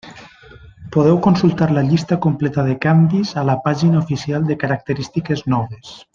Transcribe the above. Podeu consultar la llista completa de canvis a la pàgina oficial de característiques noves.